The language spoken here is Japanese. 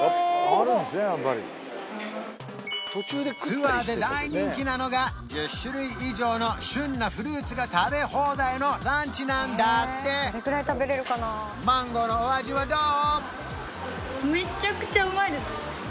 ツアーで大人気なのが１０種類以上の旬なフルーツが食べ放題のランチなんだってマンゴーのお味はどう？